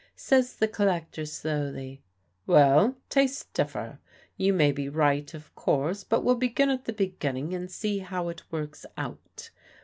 Says the collector slowly, "Well, tastes differ. You may be right, of course, but we'll begin at the beginning, and see how it works out.